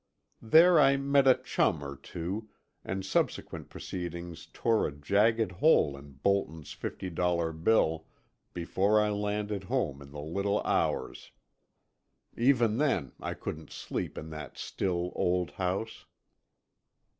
There I met a chum or two, and subsequent proceedings tore a jagged hole in Bolton's fifty dollar bill before I landed home in the little hours. Even then I couldn't sleep in that still, old house.